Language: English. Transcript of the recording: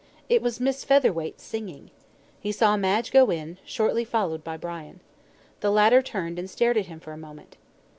It was Miss Featherweight singing. He saw Madge go in, shortly followed by Brian. The latter turned and stared at him for a moment.